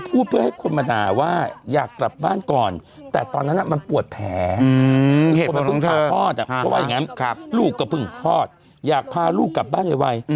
เพราะว่าอย่างงั้นลูกก็เพิ่งพอดอยากพาลูกกลับบ้านไว